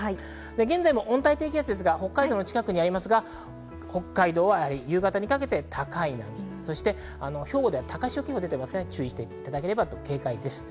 現在も温帯低気圧ですが、北海道の近くにありますが、北海道は夕方にかけて高い波、そして兵庫では高潮警報、出ていますから注意していただきたいです。